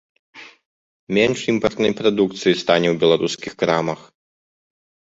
Менш імпартнай прадукцыі стане ў беларускіх крамах.